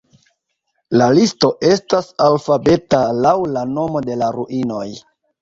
La listo estas alfabeta laŭ la nomo de la ruinoj.